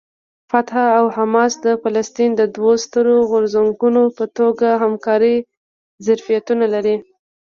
فتح او حماس د فلسطین د دوو سترو غورځنګونو په توګه همکارۍ ظرفیتونه لري.